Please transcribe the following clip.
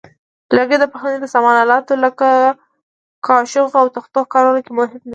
لرګي د پخلنځي د سامان آلاتو لکه کاشوغو او تخته کارولو کې مهم دي.